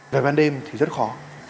về ban đêm thì rất khó